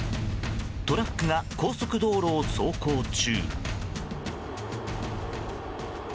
トラックが高速道路を走行中。